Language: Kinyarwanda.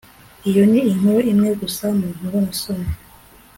iyo ni inkuru imwe gusa mu nkuru nasomye